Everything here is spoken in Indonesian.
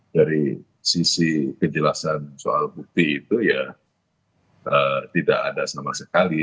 dari sisi kejelasan soal bukti itu ya tidak ada sama sekali